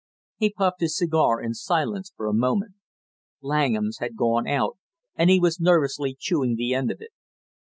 He puffed his cigar in silence for a moment. Langham's had gone out and he was nervously chewing the end of it.